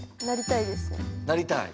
なりたいです。